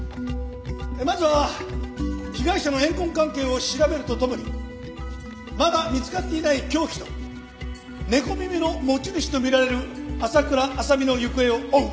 まずは被害者の怨恨関係を調べるとともにまだ見つかっていない凶器と猫耳の持ち主とみられる朝倉亜沙美の行方を追う。